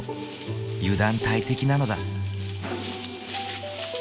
油断大敵なのだ。